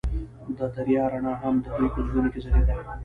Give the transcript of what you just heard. د دریا رڼا هم د دوی په زړونو کې ځلېده.